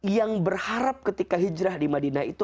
yang berharap ketika hijrah di madinah itu